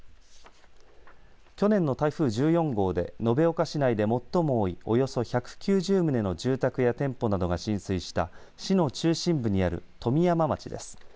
去年の台風１４号で延岡市内で最も多いおよそ１９０棟の住宅や店舗などが浸水した市の中心部にある富美山町です。